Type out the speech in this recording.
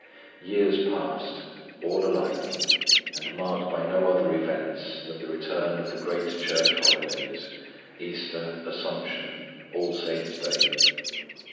Years passed, all alike and marked by no other events than the return of the great church holidays: Easter, Assumption, All Saints' Day.